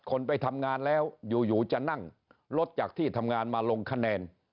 คนไปทำงานแล้วอยู่จะนั่งรถจากที่ทำงานมาลงคะแนน